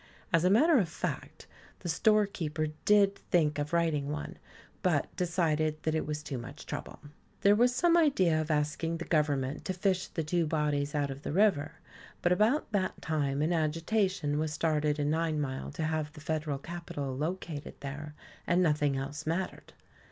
As a matter of fact the storekeeper did think of writing one, but decided that it was too much trouble. There was some idea of asking the Government to fish the two bodies out of the river; but about that time an agitation was started in Ninemile to have the Federal Capital located there, and nothing else mattered.